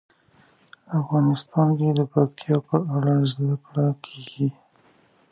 افغانستان کې د پکتیا په اړه زده کړه کېږي.